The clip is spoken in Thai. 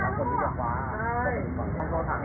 วิธีนักศึกษาติธรรมชาติ